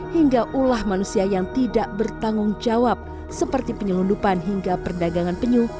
hingga ulah manusia yang tidak bertanggung jawab seperti penyelundupan hingga perdagangan penyu